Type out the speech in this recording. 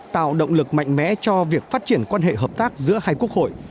tạo động lực mạnh mẽ cho việc phát triển quan hệ hợp tác giữa hai quốc hội